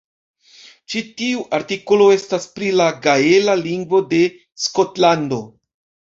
Ĉi tiu artikolo estas pri la gaela lingvo de Skotlando.